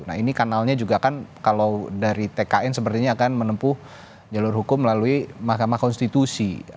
nah ini kanalnya juga kan kalau dari tkn sepertinya akan menempuh jalur hukum melalui mahkamah konstitusi